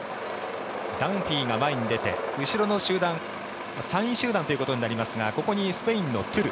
ダンフィーが前に出て後ろの集団３位集団ということになりますがここにスペインのトゥル。